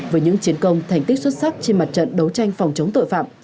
với những chiến công thành tích xuất sắc trên mặt trận đấu tranh phòng chống tội phạm